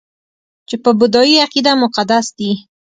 چې په بودايي عقیده کې مقدس دي